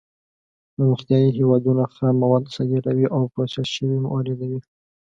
پرمختیايي هېوادونه خام مواد صادروي او پروسس شوي واردوي.